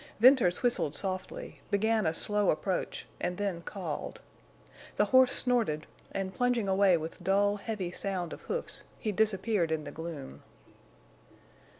Venters whistled softly, began a slow approach, and then called. The horse snorted and, plunging away with dull, heavy sound of hoofs, he disappeared in the gloom.